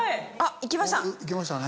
いきましたね。